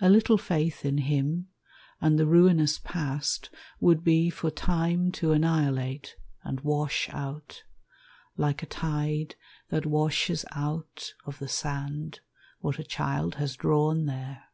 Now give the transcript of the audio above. A little faith in him, and the ruinous Past would be for time to annihilate, And wash out, like a tide that washes Out of the sand what a child has drawn there.